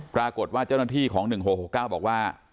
ปรากฏว่าเจ้าหน้าที่ของ๑๖๖๙บอกว่า